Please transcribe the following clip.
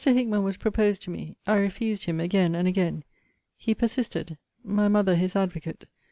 Hickman was proposed to me. I refused him again and again. He persisted; my mother his advocate.